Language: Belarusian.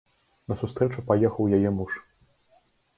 На сустрэчу паехаў яе муж.